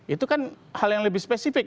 itu kan hal yang lebih spesifik